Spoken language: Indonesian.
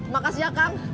makasih ya kang